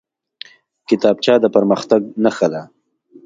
کتابچه د پرمختګ نښه ده